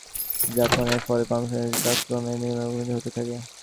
একই সঙ্গে অনিয়ন্ত্রিত জীবন যাপনের ফলে পারফরম্যান্সের গ্রাফ ক্রমেই নিম্নমুখী হতে থাকে।